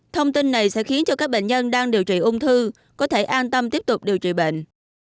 thông tin này sẽ khiến cho các bệnh nhân đang điều trị ung thư có thể an tâm tiếp tục điều trị bệnh